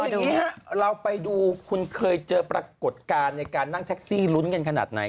วันนี้เราไปดูคุณเคยเจอปรากฏการณ์ในการนั่งแท็กซี่ลุ้นกันขนาดไหน